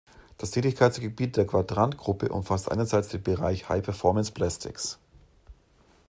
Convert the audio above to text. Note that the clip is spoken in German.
Das Tätigkeitsgebiet der Quadrant-Gruppe umfasst einerseits den Bereich "High-Performance Plastics".